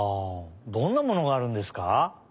どんなものがあるんですか？